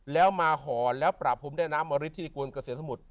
แล้วมาห่อแล้วปรับพรมด้านมริษฐ์ที่ในกวนเกษตรสมุทร